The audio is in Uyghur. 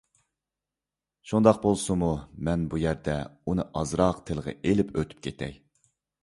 شۇنداق بولسىمۇ مەن بۇ يەردە ئۇنى ئازراق تىلغا ئېلىپ ئۆتۈپ كېتەي.